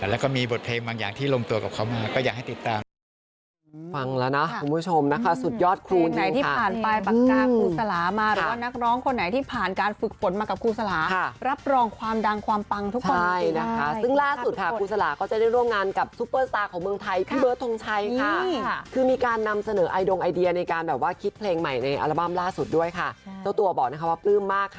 แล้วก็มีบทเพลงบางอย่างที่ลงตัวกับเขามาก็อยากให้ติดตามนะครับ